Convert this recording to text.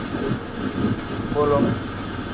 Bolom.